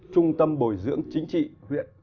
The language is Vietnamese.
trung tâm bồi dưỡng chính trị huyện